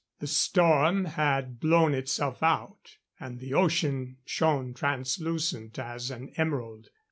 The storm had blown itself out, and the ocean shone translucent as an emerald.